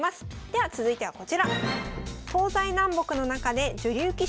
では続いてはこちら。